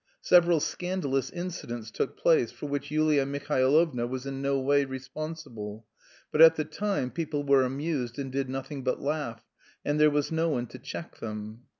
Several scandalous incidents took place, for which Yulia Mihailovna was in no way responsible, but at the time people were amused and did nothing but laugh, and there was no one to check them.